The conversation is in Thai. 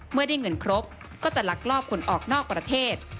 เมื่อได้เงินครบก็จะลักลอบคนออกนอกประเทศ